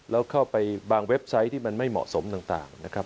แล้วเข้าไปบางเว็บไซต์ที่มันไม่เหมาะสมต่างนะครับ